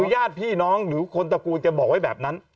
ญาติพี่น้องหรือคนตระกูลแกบอกไว้แบบนั้น